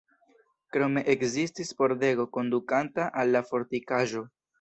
Krome ekzistis pordego kondukanta al la fortikaĵo.